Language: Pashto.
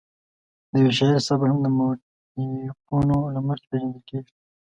د یو شاعر سبک هم د موتیفونو له مخې پېژندل کېږي.